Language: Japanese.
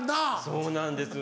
そうなんです。